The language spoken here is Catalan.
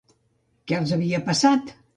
Què els havia passat?